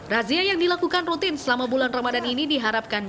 razia yang dilakukan rutin selama bulan ramadan ini diharapkan